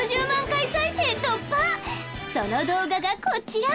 その動画がこちら！